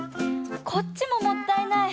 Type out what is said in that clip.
こっちももったいない。